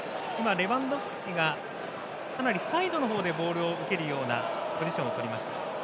レバンドフスキがかなりサイドの方でボールを受けるようなポジションを取りました。